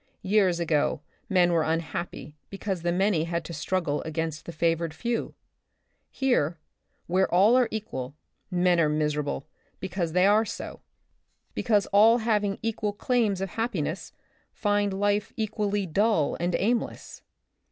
Years ago men were unhappy because the many had to strug gle against the favored few. Here, where all are equal, men are miserable because they are so ; because all having equal claims to happi ness, find life equally dull and aimless.